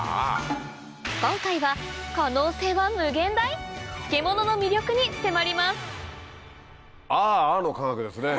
今回は可能性は無限大⁉漬物の魅力に迫ります「ああ」の科学ですね。